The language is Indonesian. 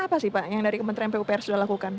apa sih pak yang dari kementerian pupr sudah lakukan